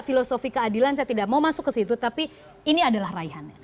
filosofi keadilan saya tidak mau masuk ke situ tapi ini adalah raihannya